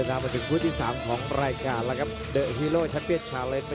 กลับกันกันที่โปรวิสโปรวิสแบร์แบร์แบร์โบ